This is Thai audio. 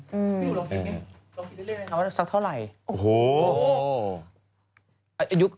พี่ฐูลองกินมินึกอะไรนึกว่าจะซักเท่าไหร่